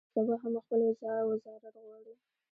دوی سبا هم خپل وزارت غواړي.